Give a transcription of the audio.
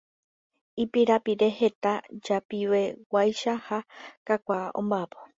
Ipirapire heta jepiveguáicha ha kakuaa omba'apo.